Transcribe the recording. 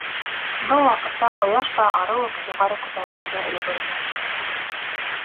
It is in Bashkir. Был ваҡытта ҡояш та арыу уҡ юғары күтәрелергә өлгөрҙө.